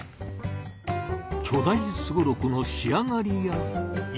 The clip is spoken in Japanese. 巨大すごろくの仕上がりやいかに？